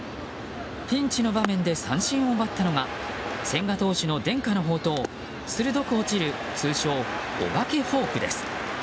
ピンチの場面で三振を奪ったのが千賀投手の伝家の宝刀鋭く落ちる通称お化けフォークです。